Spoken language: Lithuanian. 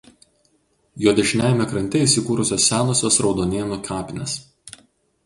Jo dešiniajame krante įsikūrusios senosios Raudonėnų kapinės.